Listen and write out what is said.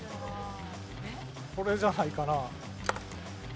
これじゃないかな？